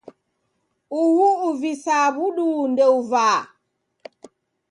Uhu uvisaa w'uduu ndeuvaa.